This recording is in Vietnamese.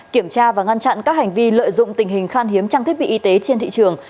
kiểm tra và ngăn chặn các hành vi lợi dụng tình hình khan hiếm trang thiết bị y tế trên thị trường